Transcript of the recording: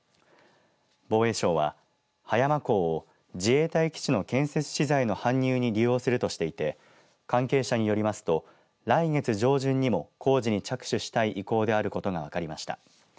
防衛省は葉山港を自衛隊基地の建設資材の搬入に利用するとしていて関係者によりますと来月上旬にも工事に着手したい意向であることが分かりました。